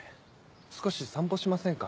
少し散歩しませんか？